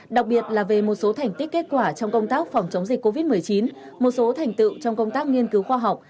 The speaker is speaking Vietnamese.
đặc biệt là về một số thành tích kết quả trong công tác phòng chống dịch covid một mươi chín một số thành tựu trong công tác nghiên cứu khoa học